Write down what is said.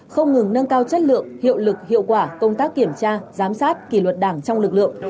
không ngừng nâng cao chất lượng hiệu lực hiệu quả công tác kiểm tra giám sát kỷ luật đảng trong lực lượng